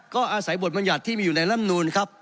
ก็อาศัยบทบรรยัติที่มีอยู่ในลำนูนครับ